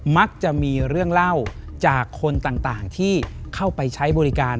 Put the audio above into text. มักจะมีเรื่องเล่าจากคนต่างที่เข้าไปใช้บริการ